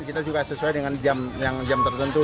kita juga sesuai dengan jam tertentu